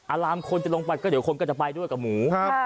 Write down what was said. อารามคนจะลงไปก็เดี๋ยวคนก็จะไปด้วยกับหมูครับ